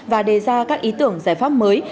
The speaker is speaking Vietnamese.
và đề ra các ý tưởng giải pháp mới